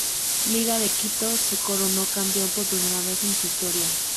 Liga de Quito se coronó campeón por primera vez en su historia.